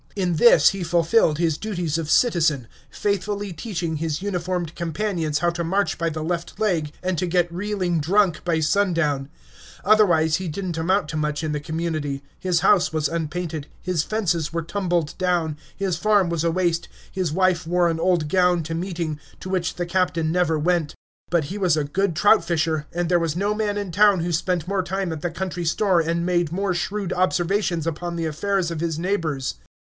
In this he fulfilled his duties of citizen, faithfully teaching his uniformed companions how to march by the left leg, and to get reeling drunk by sundown; otherwise he did n't amount to much in the community; his house was unpainted, his fences were tumbled down, his farm was a waste, his wife wore an old gown to meeting, to which the captain never went; but he was a good trout fisher, and there was no man in town who spent more time at the country store and made more shrewd observations upon the affairs of his neighbors.